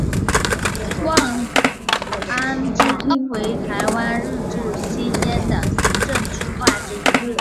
望安支厅为台湾日治时期的行政区划之一。